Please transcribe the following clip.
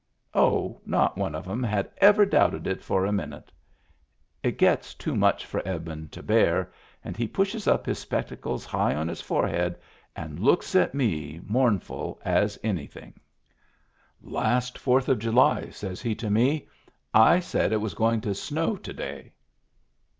Oh, not one of 'em had ever doubted it for a minute ! It gets too much for Edmund to bear, and he pushes up his spectacles high on his forehead and looks at me, mournful as anythin'. " Last Fourth of July," says he to me, " I said it was going to snow to day."